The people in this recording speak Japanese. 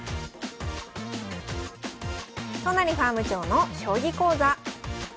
都成ファーム長の将棋講座。